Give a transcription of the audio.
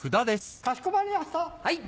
かしこまりました。